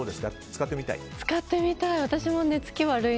使ってみたい。